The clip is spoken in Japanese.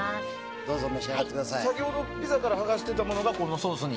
先ほどピザから剥がしたものがこのソースに。